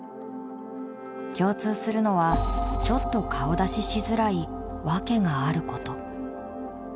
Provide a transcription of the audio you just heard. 共通するのはちょっと顔出ししづらいワケがあること。